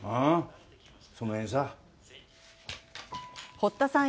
堀田さん